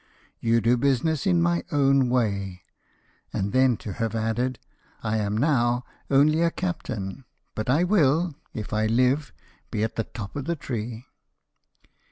— you do business in my own way ;" and then to have added, " I am now only a 56 LIFE OF NELSON. captain; but I will, if I live, be at the top of tlie tree."